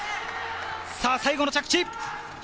最後の着地。